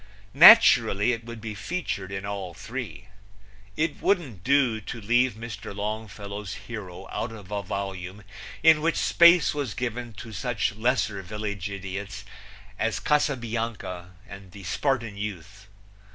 Naturally it would be featured in all three. It wouldn't do to leave Mr. Longfellow's hero out of a volume in which space was given to such lesser village idiots as Casabianca and the Spartan youth.